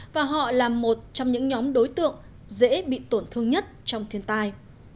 và họ là một trong những nhóm đối tượng dễ bị tổn thương nhất trong thiên tai